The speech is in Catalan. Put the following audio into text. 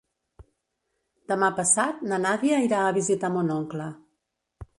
Demà passat na Nàdia irà a visitar mon oncle.